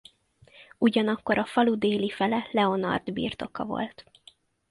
Ugyanakkor a falu déli fele Leonard birtoka volt.